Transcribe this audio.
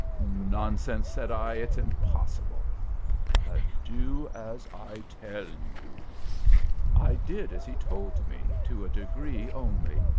"Nonsense!" said I. "It's impossible." "Do as I tell you." I did as he told me, to a degree only.